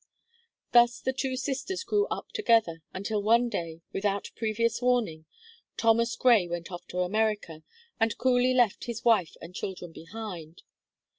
Thus the two sisters grew up together, until one day, without previous warning, Thomas Gray went off to America, and coolly left his wife and children behind.